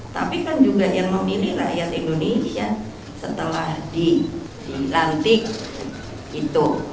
tapi kan juga yang memilih rakyat indonesia setelah dilantik itu